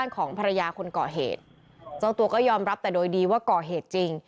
ก็ย้มรับแต่โดยดีว่าก่อเหตุจริง